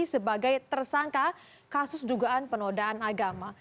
sebagai tersangka kasus dugaan penodaan agama